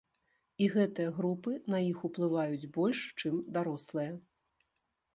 І гэтыя групы на іх уплываюць больш, чым дарослыя.